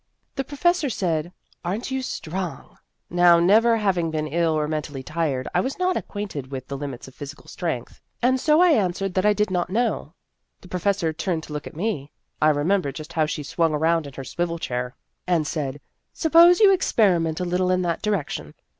" The professor said, ' Are n't you strong ?' Now, never having been ill or mentally tired, I was not acquainted with the limits of physical strength, and so I answered that I did not know. The pro fessor turned to look at me I remem ber just how she swung around in her swivel chair and said, 'Suppose you experiment a little in that direction.'